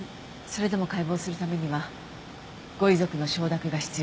それでも解剖するためにはご遺族の承諾が必要です。